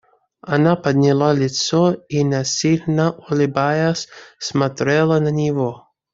Она подняла лицо и, насильно улыбаясь, смотрела на него.